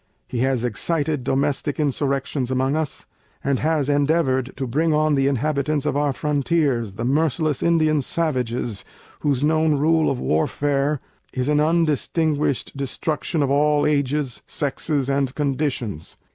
He has excited domestic insurrections amongst us, and has endeavoured to bring on the inhabitants of our frontiers, the merciless Indian Savages, whose known rule of warfare, is an undistinguished destruction of all ages, sexes and conditions.